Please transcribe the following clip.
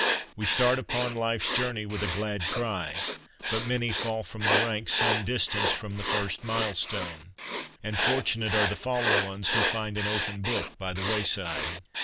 We start upon life's journey with a glad cry ; but many fall from the ranks some distance from the ' first mile stone,' and fortunate are the fallen ones who find an open book by the wayside.